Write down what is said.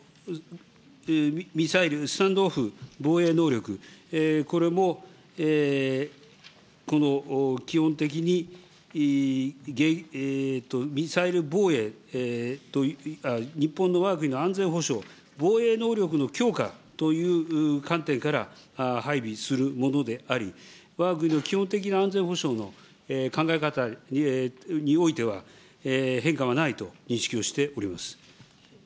そしてこのミサイル、スタンド・オフ防衛能力、これもこの基本的にミサイル防衛、日本のわが国の安全保障、防衛能力の強化という観点から配備するものであり、わが国の基本的な安全保障の考え方においては、変化はないと認識をしております。